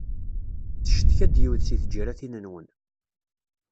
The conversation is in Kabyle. Teccetka-d yiwet si tǧiratin-nwen.